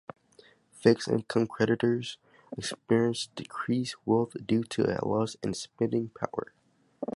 Fixed income creditors experience decreased wealth due to a loss in spending power.